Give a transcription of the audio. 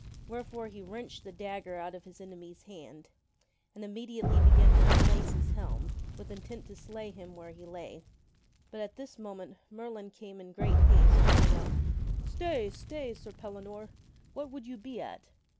Where fore he wrenched the dagger out of his enemy's hand, and ^L^kiii* immediately began to unlace his helm, with intent to slay him Kin s Arthur. where he lay. But at this moment Merlin came in great haste, crying out, "Stay! stay! Sir Pellinore; what would you be at?